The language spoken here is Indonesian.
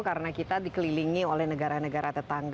karena kita dikelilingi oleh negara lain